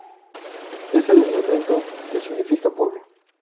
Es el elemento que significa "pueblo".